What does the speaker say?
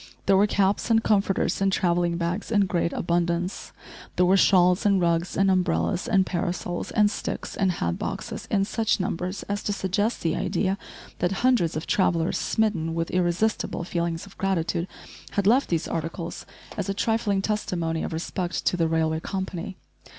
There were caps and comforters and travelling bags in great abundance. There were shawls and rugs, and umbrellas and parasols, and sticks and hat boxes in such numbers as to suggest the idea that hundreds of travellers, smitten with irresistible feelings of gratitude, had left these articles as a trifling testimony of respect to the railway company.